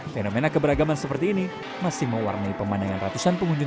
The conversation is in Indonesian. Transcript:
fenomena keberagaman seperti ini masih mewarnai pemandangan ratusan pengunjung